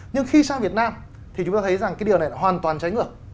nhưng khi sang việt nam thì chúng ta thấy rằng cái điều này đã hoàn toàn trái ngược